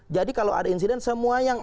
jadi kalau ada insiden semua yang